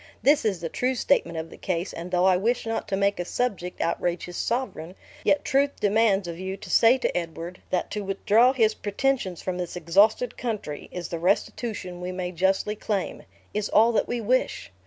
This is the true statement of the case, and though I wish not to make a subject outrage his sovereign, yet truth demands of you to say to Edward, that to withdraw his pretensions from this exhausted country, is the restitution we may justly claim is all that we wish.